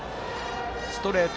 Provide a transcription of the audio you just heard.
ストレート